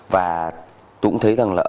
và tú cũng thấy rằng là